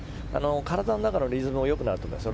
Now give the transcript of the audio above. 体の中のリズムが良くなってます。